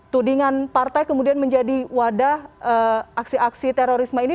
tudingan partai kemudian menjadi wadah aksi aksi terorisme ini